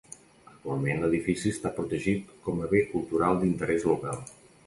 Actualment l'edifici està protegit com a Bé cultural d'interès local.